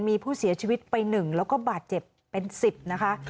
มีผู้เสียชีวิตไป๑แล้วก็บาดเจ็บเป็น๑๐นะคะ